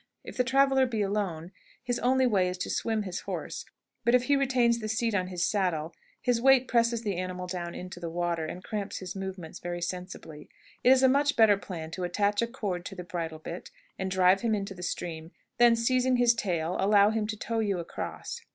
If the traveler be alone, his only way is to swim his horse; but if he retains the seat on his saddle, his weight presses the animal down into the water, and cramps his movements very sensibly. It is a much better plan to attach a cord to the bridle bit, and drive him into the stream; then, seizing his tail, allow him to tow you across.